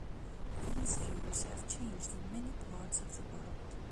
These views have changed in many parts of the world.